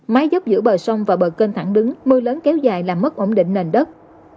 mái dốc giữa bờ sông và bờ kênh thẳng đứng mưa lớn kéo dài làm mất ổn định nền đất